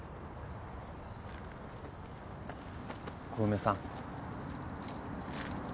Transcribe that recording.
小梅さん。